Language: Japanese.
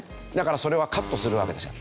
だからそれはカットするわけですよ。